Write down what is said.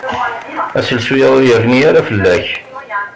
Aselsu-a ur yerni ara fell-ak.